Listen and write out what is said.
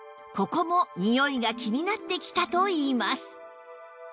ここもにおいが気になってきたといいます